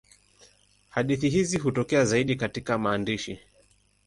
Hadithi hizi hutokea zaidi katika maandishi.